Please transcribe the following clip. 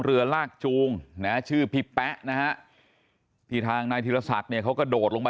เรือลากจูงนะชื่อพี่แป๊ะนะที่ทางนายธิรษัทเขากระโดดลงไป